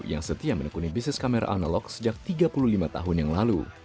yang setia menekuni bisnis kamera analog sejak tiga puluh lima tahun yang lalu